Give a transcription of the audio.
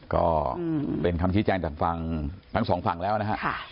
ก็เป็นคำชี้แจงจากฝั่งทั้งสองฝั่งแล้วนะฮะ